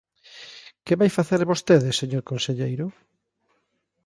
¿Que vai facer vostede, señor conselleiro?